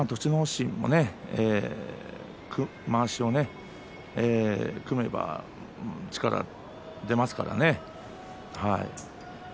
心も、まわしを組めば力が出ますからね。